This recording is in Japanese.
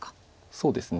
そうですね。